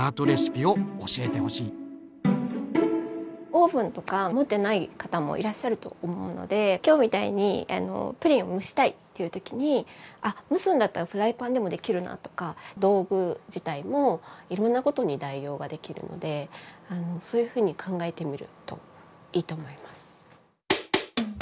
オーブンとか持ってない方もいらっしゃると思うので今日みたいにプリンを蒸したいという時にあっ蒸すんだったらフライパンでもできるなとか道具自体もいろんなことに代用ができるのでそういうふうに考えてみるといいと思います。